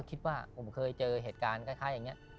คิดว่าผมเคยเจอเหตุการณ์คล้ายอย่างนี้